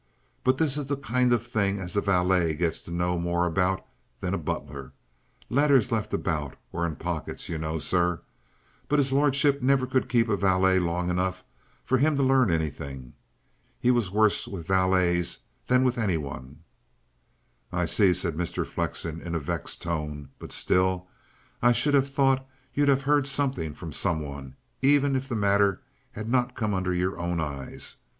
But this is the kind of thing as a valet gets to know about more than a butler letters left about, or in pockets, you know, sir. But his lordship never could keep a valet long enough for him to learn anything. He was worse with valets than with any one." "I see," said Mr. Flexen in a vexed tone. "But still, I should have thought you'd have heard something from some one, even if the matter had not come under your own eyes.